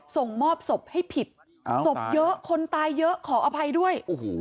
ส่งมอบศพให้ผิดศพเยอะคนตายเยอะขออภัยด้วย